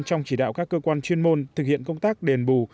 trong chỉ đạo các cơ quan chuyên môn thực hiện công tác đền bù